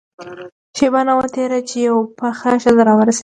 شېبه نه وه تېره چې يوه پخه ښځه راورسېده.